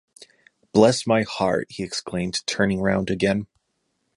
‘Bless my heart!’ he exclaimed, turning round again.